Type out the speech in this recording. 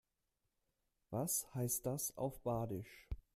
Was heißt das auf Badisch?